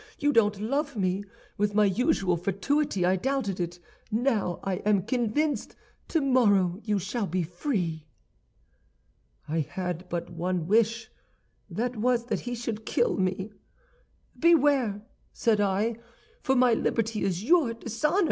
You don't love me. With my usual fatuity I doubted it; now I am convinced. Tomorrow you shall be free.' "I had but one wish; that was that he should kill me. "'Beware!' said I, 'for my liberty is your dishonor.